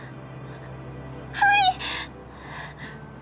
はい！